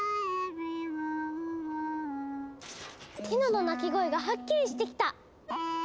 ティノの鳴き声がはっきりしてきた！